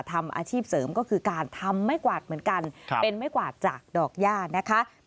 ทำอาชีพเสริมก็คือการทำไม้กวาดเหมือนกันเป็นไม้กวาดจากดอกย่านะคะ